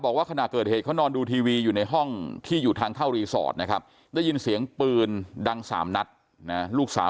บอกว่าขณะเกิดเหตุเขานอนดูทีวีอยู่ในห้องที่อยู่ทางเข้ารีสอร์ทนะครับได้ยินเสียงปืนดังสามนัดนะลูกสาว